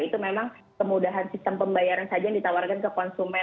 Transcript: itu memang kemudahan sistem pembayaran saja yang ditawarkan ke konsumen